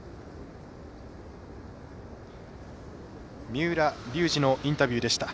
三浦龍司のインタビューでした。